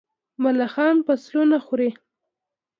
ملخان فصلونه خوري.